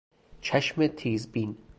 چشم تیزبین